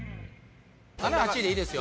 ７８位でいいですよ